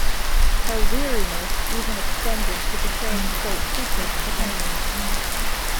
Her weariness even extended to betraying state secrets to Henry.